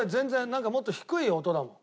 なんかもっと低い音だもん。